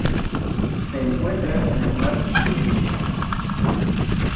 Se encuentra en el Mar de Bismarck.